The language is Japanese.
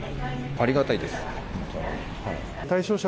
ありがたいです、本当に。